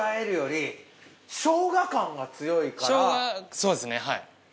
そうですねはい。